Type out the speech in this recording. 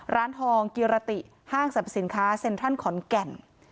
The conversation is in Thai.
ร้านทองกีฯภาคร้านซัพพสินค้าเซ็นทัลขอนเก่น